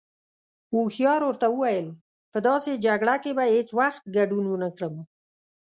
هوښيار ورته وويل: په داسې جگړه کې به هیڅ وخت گډون ونکړم.